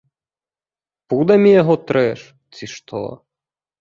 Пудамі яго трэш, ці што?